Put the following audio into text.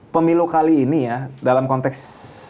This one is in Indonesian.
pemilu kali ini ya dalam konteks